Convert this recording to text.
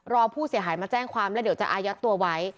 รอผู้เสียหายมาแจ้งความแล้วเดี๋ยวจะอายัดตัวไว้